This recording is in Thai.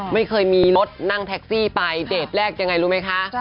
ไม่เคยมีรถนั่งแท็กซี่ไปเดทแรกยังไงรู้ไหมคะ